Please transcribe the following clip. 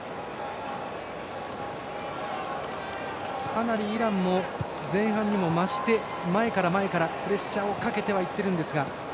かなりイランも前半にも増して前から前からプレッシャーをかけていってはいますが。